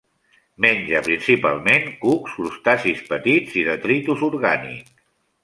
Menja principalment cucs, crustacis petits i detritus orgànic.